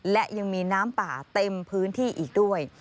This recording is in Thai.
และยังมีน้ำป่าเต็มพื้นที่อีกด้วย